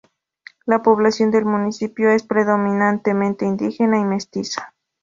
La población del municipio es predominantemente indígena y mestiza.